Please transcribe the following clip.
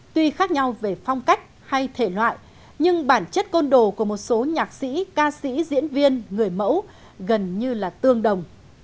tuy khác nhau về phong cách hay thể loại nhưng bản chất côn đồ của một số nhạc sĩ ca sĩ diễn viên người mẫu gần như là tương đồng